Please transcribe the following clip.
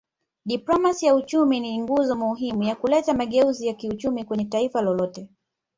Diplomasia ya uchumi ni nguzo muhimu ya kuleta mageuzi ya kiuchumi kwenye Taifa lolote